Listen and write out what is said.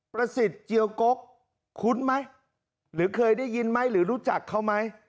ประสิทธิ์เจียวกกคุ้นไหมหรือเคยได้ยินไหมหรือรู้จักเขาไหม